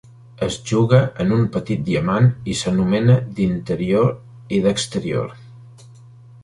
Es juga en un petit diamant i s'anomena d'interior i d'exterior.